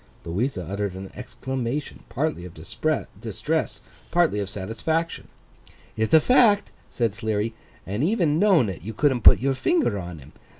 Louisa uttered an exclamation, partly of distress, partly of satisfaction. 'Ith a fact,' said Sleary, 'and even knowin' it, you couldn't put your finger on him.